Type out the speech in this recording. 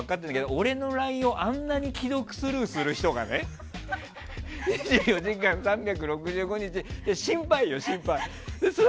俺の恋愛をあんなに既読スルーする人が２４時間３６５日、心配よ。